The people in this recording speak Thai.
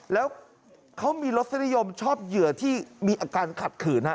แล้วเขามีรสนิยมชอบเหยื่อที่มีอาการขัดขืน